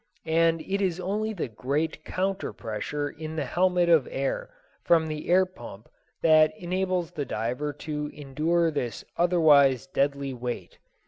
And it is only the great counter pressure in the helmet of air from the air pump that enables the diver to endure this otherwise deadly weight.